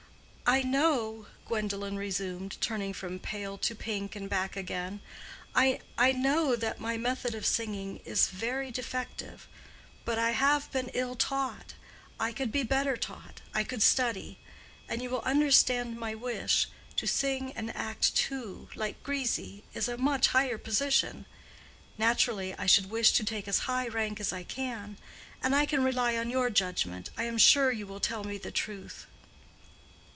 "I know," Gwendolen resumed, turning from pale to pink and back again—"I know that my method of singing is very defective; but I have been ill taught. I could be better taught; I could study. And you will understand my wish:—to sing and act too, like Grisi, is a much higher position. Naturally, I should wish to take as high rank as I can. And I can rely on your judgment. I am sure you will tell me the truth."